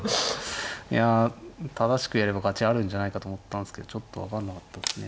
いや正しくやれば勝ちあるんじゃないかと思ったんですけどちょっと分かんなかったですね。